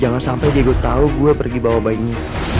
jangan sampai diego tahu gue pergi bawa bayinya